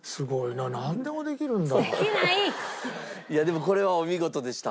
いやでもこれはお見事でした。